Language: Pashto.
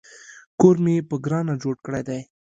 کور مې په ګرانه جوړ کړی دی